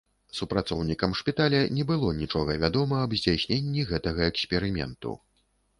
Супрацоўнікам шпіталя не было нічога вядома аб здзяйсненні гэтага эксперыменту.